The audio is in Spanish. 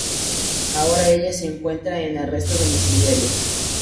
Ahora ella se encuentra en arresto domiciliario.